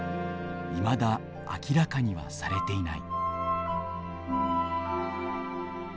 いまだ明らかにはされていない。